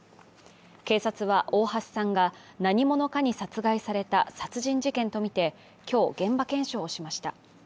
警察は、大橋さんが何者かに殺害された殺人事件とみて今日、現場検証をしました。